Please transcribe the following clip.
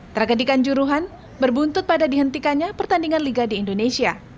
tragedikan juruhan berbuntut pada dihentikannya pertandingan liga di indonesia